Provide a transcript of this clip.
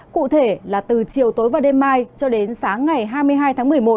cụ thể là từ chiều tối và đêm mai cho đến sáng ngày hai mươi hai tháng một mươi một